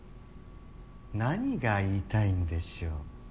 何が言いたいんでしょう。